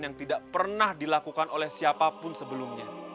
yang tidak pernah dilakukan oleh siapapun sebelumnya